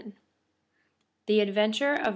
VII THE ADVENTURE OF MRS.